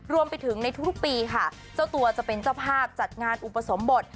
รวมไปถึงในทุกปีค่ะเจ้าตัวจะเป็นเจ้าภาพจัดงานอุปสมบท